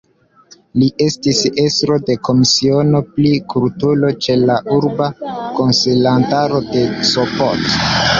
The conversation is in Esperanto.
Li estis estro de Komisiono pri Kulturo ĉe la Urba Konsilantaro de Sopot.